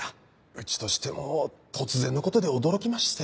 うちとしても突然のことで驚きまして。